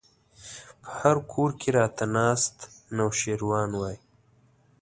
په هر کور کې راته ناست نوشيروان وای